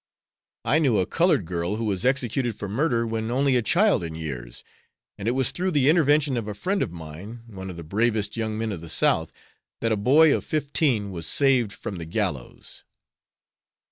I knew a colored girl who was executed for murder when only a child in years. And it was through the intervention of a friend of mine, one of the bravest young men of the South, that a boy of fifteen was saved from the gallows."